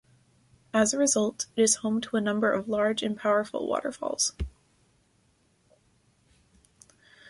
As a result, it is home to a number of large and powerful waterfalls.